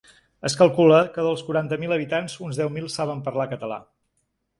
Es calcula que dels quaranta mil habitants, uns deu mil saben parlar català.